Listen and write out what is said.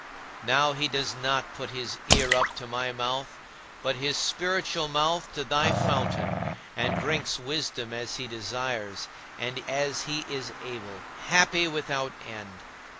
Now he does not put his ear up to my mouth, but his spiritual mouth to thy fountain, and drinks wisdom as he desires and as he is able happy without end.